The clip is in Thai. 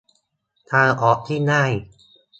ทางออกที่ง่าย